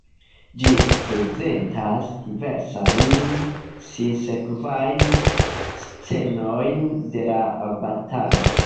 Ĝi prezentas diversajn sinsekvajn scenojn de la batalo.